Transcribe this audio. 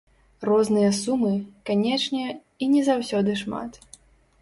Розныя сумы, канечне, і не заўсёды шмат.